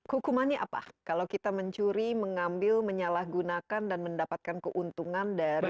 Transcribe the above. hukumannya apa kalau kita mencuri mengambil menyalahgunakan dan mendapatkan keuntungan dari